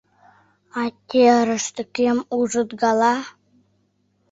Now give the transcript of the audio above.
А терыште кӧм ужыт гала?